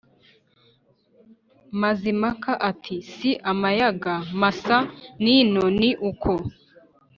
mazimpaka, ati : «si amayaga masa n'ino ni uko,